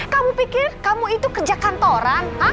kamu pikir kamu itu kerja kantoran